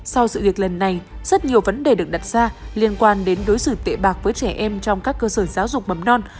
sau sự việc lần này rất nhiều vấn đề được đặt ra liên quan đến đối xử tệ bạc với trẻ em trong các cơ sở giáo dục mầm non